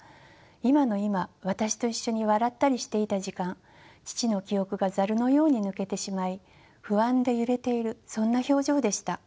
今の今私と一緒に笑ったりしていた時間父の記憶がザルのように抜けてしまい不安で揺れているそんな表情でした。